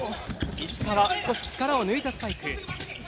石川、少し力を抜いたスパイク。